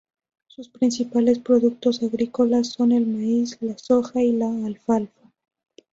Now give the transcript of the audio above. Sus principales productos agrícolas son el maíz, la soja y la alfalfa.